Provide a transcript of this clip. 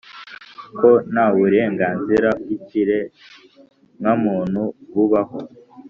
ko nta burenganzira bw'ikiremwamuntu bubaho